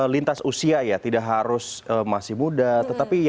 lintas usia ya tidak harus masih muda tetapi